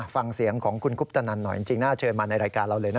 ฟังเสียงของคุณคุปตนันหน่อยจริงน่าเชิญมาในรายการเราเลยนะ